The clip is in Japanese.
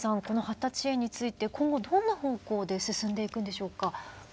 この発達支援について今後どんな方向で進んでいくんでしょうか。